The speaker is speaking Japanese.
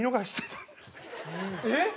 えっ！